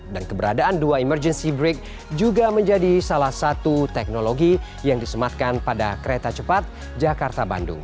dan keberadaan dua emergency brake juga menjadi salah satu teknologi yang disematkan pada kereta cepat jakarta bandung